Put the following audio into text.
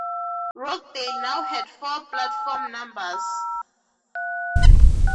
Rockdale now had four platform numbers.